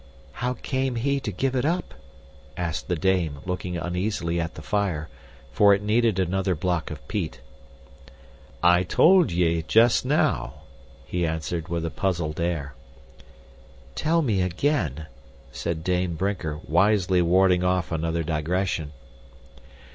"How came he to give it up?" asked the dame, looking uneasily at the fire, for it needed another block of peat. "I told ye just now," he answered with a puzzled air. "Tell me again," said Dame Brinker, wisely warding off another digression.